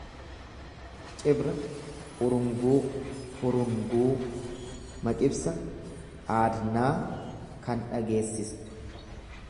Cibra urunguu, hurunguu. Maqibsa aadnaa kan dhageessistu.